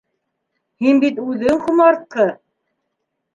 Һин бит үҙең ҡомартҡы!